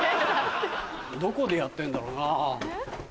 どこでやってんだろうな？